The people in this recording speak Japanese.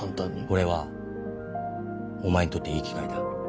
これはお前にとっていい機会だ。